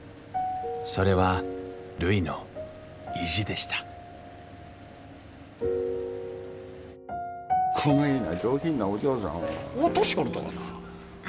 それはるいの意地でしたこないな上品なお嬢さんを落としよるとはなあ。